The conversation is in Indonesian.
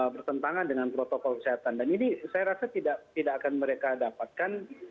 bertentangan dengan protokol kesehatan dan ini saya rasa tidak akan mereka dapatkan